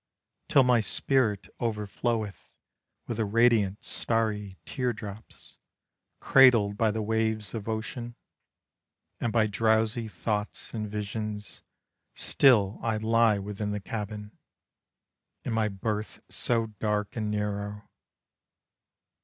Till my spirit overfloweth With the radiant starry tear drops. Cradled by the waves of ocean, And by drowsy thoughts and visions, Still I lie within the cabin, In my berth so dark and narrow.